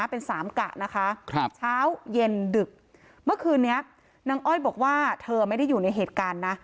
เป็นสามกะนะคะครับเช้าเย็นดึกเมื่อคืนนี้นางอ้อยบอกว่าเธอไม่ได้อยู่ในเหตุการณ์นะ